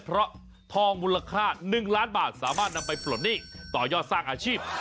เพราะทองมูลค่า๑ล้านบาทสามารถนำไปปลดหนี้ต่อยอดสร้างอาชีพ